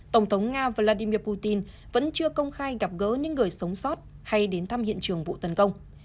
tổng thống nga vladimir putin vẫn chưa công khai gặp gỡ những người sống sót hay đến thăm hiện trường vụ tấn công